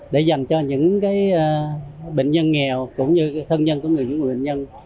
để dành cho những bệnh nhân nghèo cũng như thân nhân của những bệnh nhân